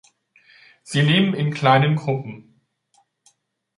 Sie leben in kleinen Gruppen.